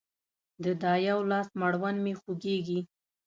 د دا يوه لاس مړوند مې خوږيږي